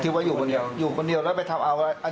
ว่าอยู่คนเดียวอยู่คนเดียวแล้วไปทำเอาอะไร